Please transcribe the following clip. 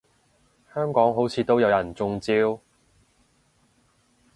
香港好似都有人中招